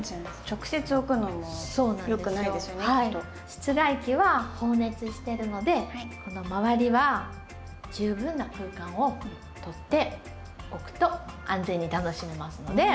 室外機は放熱してるのでこの周りは十分な空間を取っておくと安全に楽しめますので。